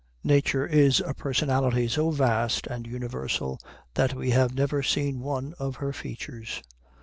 Nature is a personality so vast and universal that we have never seen one of her features.